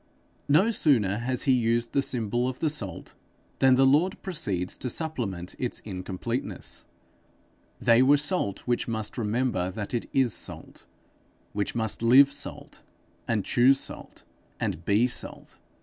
No sooner has he used the symbol of the salt, than the Lord proceeds to supplement its incompleteness. They were salt which must remember that it is salt; which must live salt, and choose salt, and be salt.